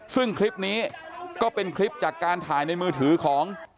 ซึ่งคลิปนี้ก็เป็นคลิปจากการถ่ายในมือถือของ